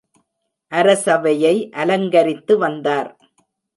அரசவையை அலங்கரித்து வந்தார்.